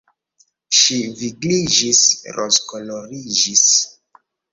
Ŝi vigliĝis, rozkoloriĝis.